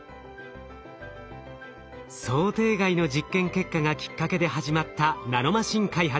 想定外の実験結果がきっかけで始まったナノマシン開発。